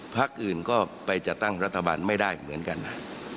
พักอื่นก็ไปจัดตั้งรัฐบาลไม่ได้เหมือนกันนะ